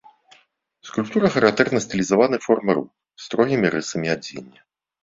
Скульптура характэрна стылізаванай формай рук, строгімі рысамі адзення.